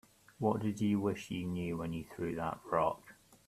What'd you wish when you threw that rock?